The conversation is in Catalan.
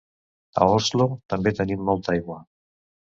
A Oslo també tenim molta aigua.